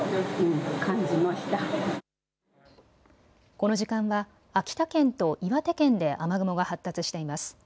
この時間は秋田県と岩手県で雨雲が発達しています。